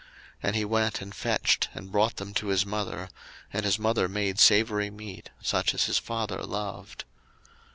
01:027:014 And he went, and fetched, and brought them to his mother: and his mother made savoury meat, such as his father loved.